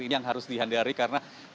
ini yang harus dihindari karena